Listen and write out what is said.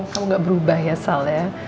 kamu gak berubah ya sal ya